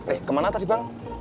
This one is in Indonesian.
eh kemana tadi bang